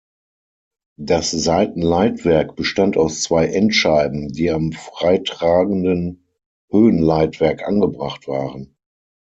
Das Seitenleitwerk bestand aus zwei Endscheiben, die am freitragenden Höhenleitwerk angebracht waren.